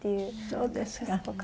そうですか。